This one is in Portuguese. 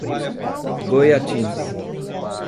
Goiatins